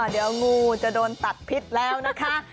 เดี๋ยวงูจะโดนตัดพิษแล้วนะคะ